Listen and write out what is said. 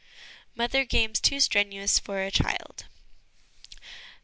Mother games too strenuous for a Child.